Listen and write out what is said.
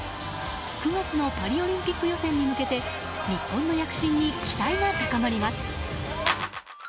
９月のパリオリンピック予選に向けて日本の躍進に期待が高まります。